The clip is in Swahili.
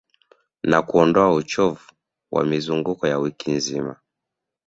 Na kuondoa uchovu wa mizunguko ya wiki nzima